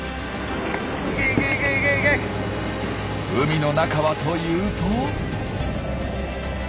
海の中はというと。